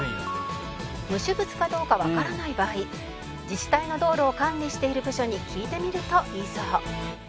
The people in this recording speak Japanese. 「無主物かどうかわからない場合自治体の道路を管理している部署に聞いてみるといいそう」